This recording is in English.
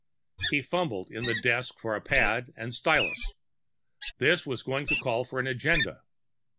He fumbled in the desk for a pad and stylus. This was going to call for an agenda.